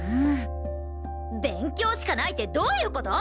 勉強しかないってどういう事！？